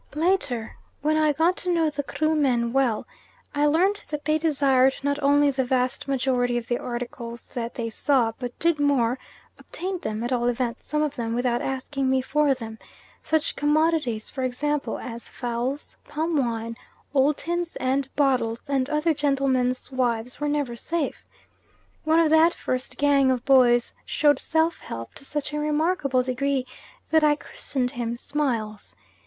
Later, when I got to know the Krumen well, I learnt that they desired not only the vast majority of the articles that they saw, but did more obtained them at all events some of them, without asking me for them; such commodities, for example, as fowls, palm wine, old tins and bottles, and other gentlemen's wives were never safe. One of that first gang of boys showed self help to such a remarkable degree that I christened him Smiles.